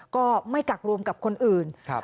ก็ไม่กักรวมกับคนอื่น